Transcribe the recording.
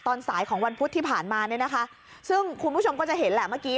สายของวันพุธที่ผ่านมาเนี่ยนะคะซึ่งคุณผู้ชมก็จะเห็นแหละเมื่อกี้